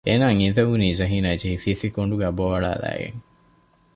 އޭނާއަށް އިނދެވުނީ ޒަހީނާ ޖެހި ފިތި ކޮނޑުގައި ބޯއަޅާލައިގެން